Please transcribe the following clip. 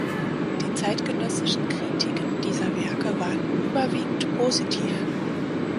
Die zeitgenössischen Kritiken dieser Werke waren überwiegend positiv.